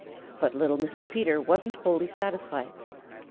But little Mrs. Peter wasn't wholly satisfied.